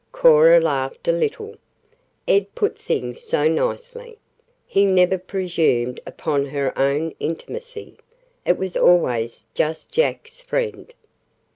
Cora laughed a little. Ed put things so nicely. He never presumed upon her own intimacy it was always just "Jack's friend."